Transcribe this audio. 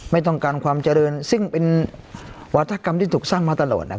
ไม่ต้องการความเจริญซึ่งเป็นวัฒกรรมที่ถูกสร้างมาตลอดนะครับ